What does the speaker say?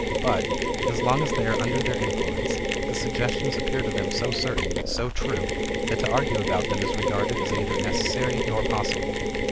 But, as long as they are under their influence, the suggestions appear to them so certain, so true, that to argue about them is regarded as neither necessary nor possible.